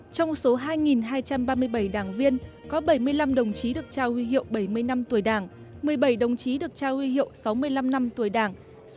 trong số hai hai trăm ba mươi bảy đảng viên có bảy mươi năm đồng chí được trao huy hiệu bảy mươi năm tuổi đảng một mươi bảy đồng chí được trao huy hiệu sáu mươi năm năm tuổi đảng